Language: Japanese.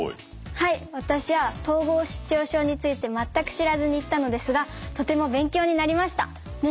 はい私は統合失調症について全く知らずに行ったのですがとても勉強になりました。ね？